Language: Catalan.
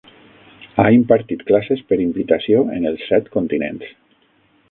Ha impartit classes per invitació en els set continents.